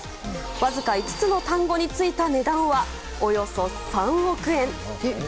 わずか５つの単語についた値段はおよそ３億円。